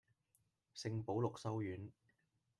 聖保祿修院